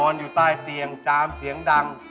อ๋อนี่สะกดวิงญาง